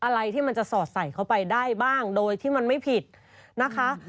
อะไรที่มันจะสอดใส่เข้าไปได้บ้างโดยที่มันไม่ผิดนะคะ